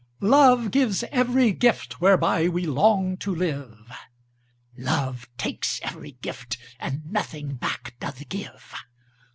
Love gives every gift whereby we long to live "Love takes every gift, and nothing back doth give."